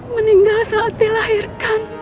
meninggal saat dilahirkan